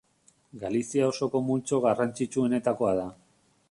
Galizia osoko multzo garrantzitsuenetakoa da.